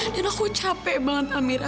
dan aku capek banget mira